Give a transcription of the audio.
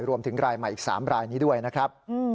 รวมถึงรายใหม่อีก๓รายนี้ด้วยนะครับ